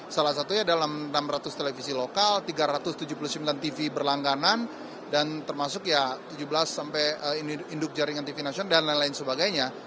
salah satunya dalam enam ratus televisi lokal tiga ratus tujuh puluh sembilan tv berlangganan dan termasuk ya tujuh belas sampai induk jaringan tv nasional dan lain lain sebagainya